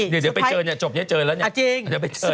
เดี๋ยวไปเจอเนี่ยจบไงเจอเนี่ย